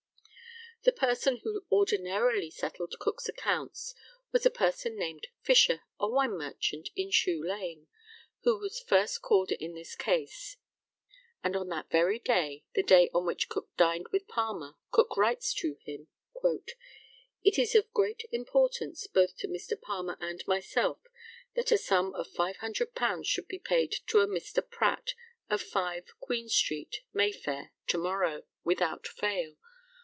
The person who ordinarily settled Cook's accounts was a person named Fisher, a wine merchant in Shoe lane, who was called first in this case; and on that very day (the day on which Cook dined with Palmer), Cook writes to him: "It is of great importance, both to Mr. Palmer and myself, that a sum of £500 should be paid to a Mr. Pratt, of 5, Queen street, May fair, to morrow, without fail.